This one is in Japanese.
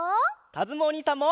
かずむおにいさんも！